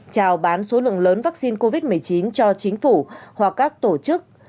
trào bán số lượng lớn vaccine covid một mươi chín cho chính phủ hoặc các tổ chức